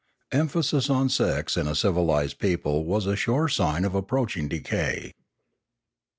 Emphasis on sex in a civilised people was a sure sign of approaching decay.